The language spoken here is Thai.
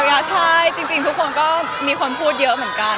ใช่จริงทุกคนก็มีคนพูดเยอะเหมือนกัน